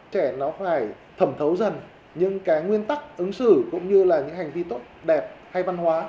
trẻ nó phải thẩm thấu dần những cái nguyên tắc ứng xử cũng như là những hành vi tốt đẹp hay văn hóa